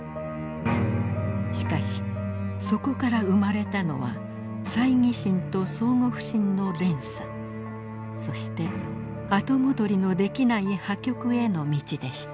しかしそこから生まれたのは猜疑心と相互不信の連鎖そして後戻りのできない破局への道でした。